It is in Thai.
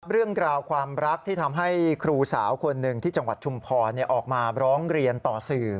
เรื่องราวความรักที่ทำให้ครูสาวคนหนึ่งที่จังหวัดชุมพรออกมาร้องเรียนต่อสื่อ